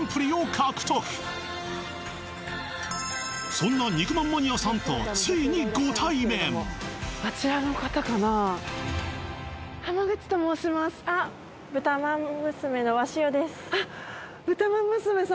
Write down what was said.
そんな肉まんマニアさんとついにご対面あっあっ豚饅娘様